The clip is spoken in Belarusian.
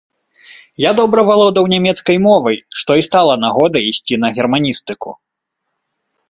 Я добра валодаў нямецкай мовай, што і стала нагодай ісці на германістыку.